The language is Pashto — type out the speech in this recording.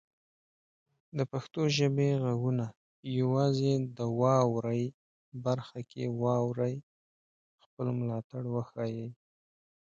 د پښتو ژبې غږونه یوازې د "واورئ" برخه کې واورئ، خپل ملاتړ وښایئ.